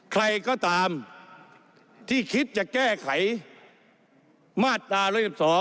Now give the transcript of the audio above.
ใครก็ตามที่คิดจะแก้ไขมาตรา๑๑๒